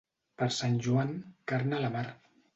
Per Sant Joan, carn a la mar.